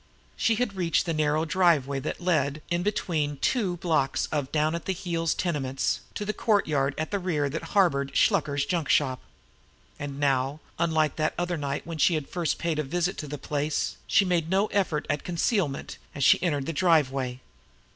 She had reached the narrow driveway that led in, between the two blocks of down at the heels tenements, to the courtyard at the rear that harbored Shluker's junk shop. And now, unlike that other night when she had first paid a visit to the place, she made no effort at concealment as she entered the driveway.